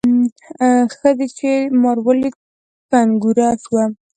ښځې چې مار ولید کنګوره شوه.